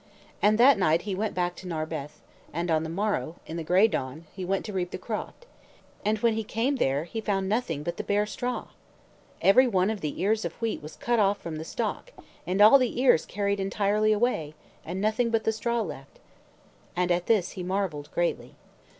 And that night he went back to Narberth, and on the morrow, in the gray dawn, he went to reap the croft; and when he came there, he found nothing but the bare straw. Every one of the ears of the wheat was cut off from the stalk, and all the ears carried entirely away, and nothing but the straw left. And at this he marvelled greatly.